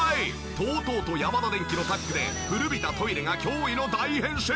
ＴＯＴＯとヤマダデンキのタッグで古びたトイレが驚異の大変身！